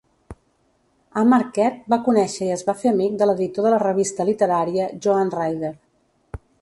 A Marquette va conèixer i es va fer amic de l'editor de la revista literària Joanne Ryder.